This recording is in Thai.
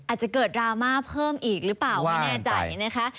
อาจจะเกิดดราม่าเพิ่มอีกหรือเปล่าไม่แน่ใจนะคะ